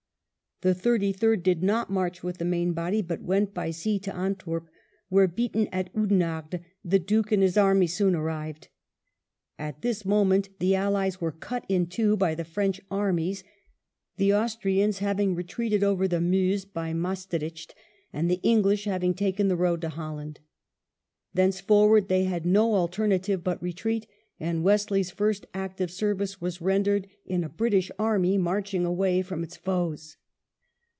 The Thirty third did not march with the main body, but went by sea to Antwerp, where, beaten at Oudenarde, the Duke and his army soon arrived. At this moment the Allies were cut in two by the French armies, the Austrians having retreated over the Meuse by Maestricht, and the English having taken the road to Holland. Thenceforward they had no alter native but retreat, and Wesley's first active service was rendered in a British army marching away from its foes.